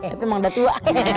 tapi emang udah tua